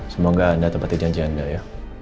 semoga anda tepati janji anda ya